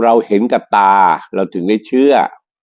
เราเห็นกับตาเราถึงได้เชื่อ